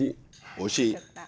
おいしい？